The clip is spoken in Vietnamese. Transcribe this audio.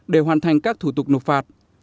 để hoàn thành các thủ tục nộp phạt